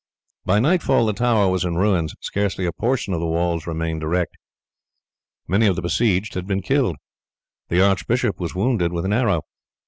By nightfall the tower was in ruins, scarce a portion of the walls remaining erect. Many of the besieged had been killed. The archbishop was wounded with an arrow.